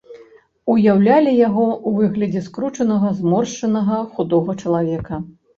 Уяўлялі яго ў выглядзе скручанага, зморшчанага худога чалавека.